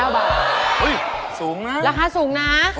เฮ้ยราคาสูงนะ